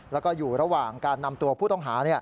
แล้วก็อยู่ระหว่างการนำตัวผู้ต้องหา